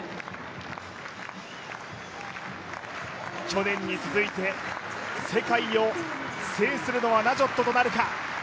去年に続いて世界を制するのはナジョットとなるか。